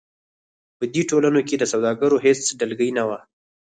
په دې ټولنو کې د سوداګرو هېڅ ډلګۍ نه وه.